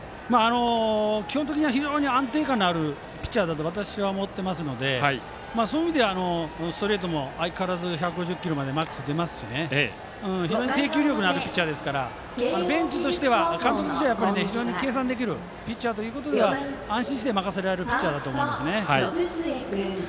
基本的には安定感のあるピッチャーだと私は思ってますのでそういう意味ではストレートも相変わらず１５０キロまでマックス出ますし非常に制球力のあるピッチャーですからベンチとして、監督としては計算できるピッチャーということでいえば安心して任せられるピッチャーだと思います。